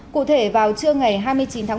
cụ thể vào trưa ngày hai mươi chín tháng một